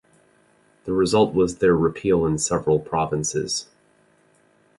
The result was their repeal in several provinces.